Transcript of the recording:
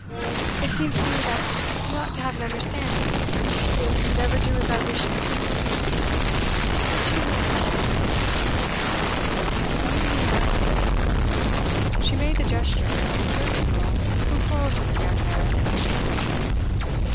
'It seems to me that we ought to have an understanding. You never do as I wish in a single thing. What do you mean by it?' 'Oh, if you're going to be nasty ' She made the gesture of a servant girl who quarrels with her young man at the street corner.